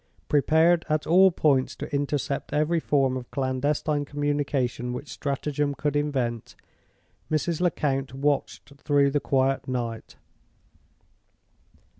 Prepared at all points to intercept every form of clandestine communication which stratagem could invent, Mrs. Lecount watched through the quiet night.